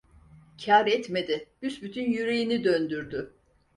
Kar etmedi, büsbütün yüreğini döndürdü.